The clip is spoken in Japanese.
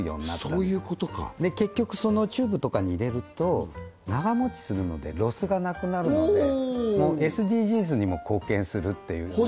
そういうことか結局チューブとかに入れると長持ちするのでロスがなくなるのでＳＤＧｓにも貢献するっていうね